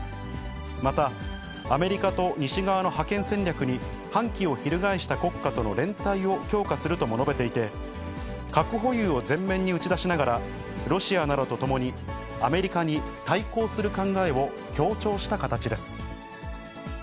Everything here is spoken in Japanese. また、アメリカと西側の覇権戦略に反旗を翻した国家との連帯を強化するとも述べていて、核保有を前面に打ち出しながら、ロシアなどと共に、アメリカに対抗する考えを強調した形です。